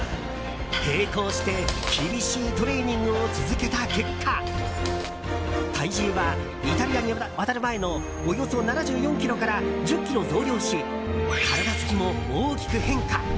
並行して厳しいトレーニングを続けた結果体重は、イタリアに渡る前のおよそ７４ｋｇから１０ｋｇ増量し体つきも大きく変化。